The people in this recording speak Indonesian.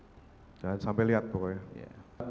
jangan sampai lihat pokoknya